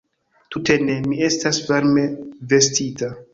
Tute ne, mi estas varme vestita.